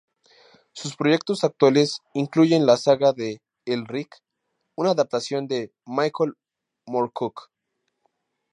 Sus proyectos actuales incluyen la saga de "Elric", una adaptación de Michael Moorcock.